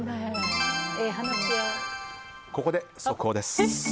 ここで速報です。